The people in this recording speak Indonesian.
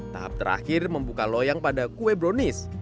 tahap terakhir membuka loyang pada kue brownies